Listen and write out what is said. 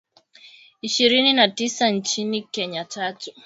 ishirini na tisa nchini Kenya tatu